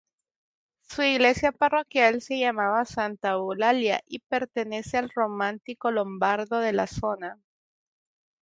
Su iglesia parroquial se llama Santa Eulalia y pertenece al románico-lombardo de la zona.